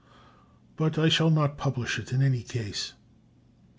but I shall not publish it in any case."